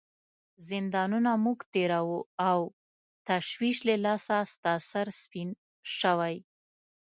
زندانونه موږ تیروو او تشویش له لاسه ستا سر سپین شوی.